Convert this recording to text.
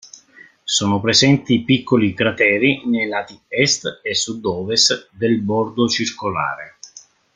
Sono presenti piccoli crateri nei lati est e sudovest del bordo circolare.